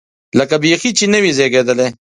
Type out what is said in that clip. لکه بیخي چې نه وي زېږېدلی.